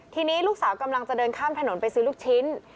ทีนี้ลูกสาวกำลังจะเดินข้ามถนนไปซื้อลูกชิ้น